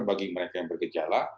bagi mereka yang bergejala